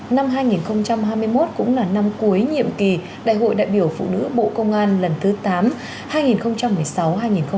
năm hai nghìn hai mươi một cũng là năm cuối nhiệm kỳ đại hội đại biểu phụ nữ bộ công an lần thứ tám hai nghìn một mươi sáu hai nghìn hai mươi